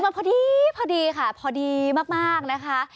พอดีพอดีค่ะพอดีมากนะคะ